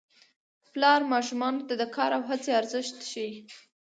پلار ماشومانو ته د کار او هڅې ارزښت ښيي